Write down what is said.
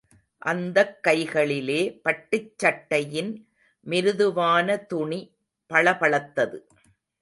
அந்தக் கைகளிலே பட்டுச் சட்டையின் மிருதுவான துணி பளபளத்தது.